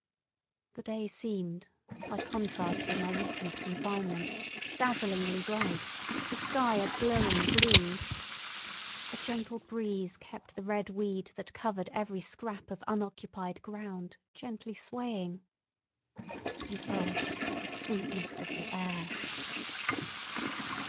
The day seemed, by contrast with my recent confinement, dazzlingly bright, the sky a glowing blue. A gentle breeze kept the red weed that covered every scrap of unoccupied ground gently swaying. And oh! the sweetness of the air!